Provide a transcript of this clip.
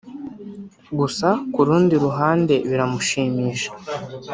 gusa ku rundi ruhande biramushimisha